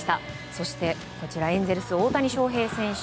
そして、エンゼルスの大谷翔平選手。